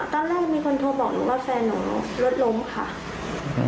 ตอนแรกมีคนโทรบอกหนูว่าแฟนหนูรถล้มค่ะ